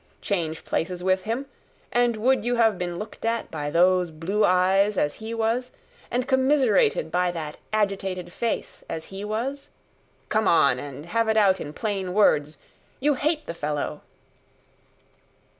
Change places with him, and would you have been looked at by those blue eyes as he was, and commiserated by that agitated face as he was? Come on, and have it out in plain words! You hate the fellow."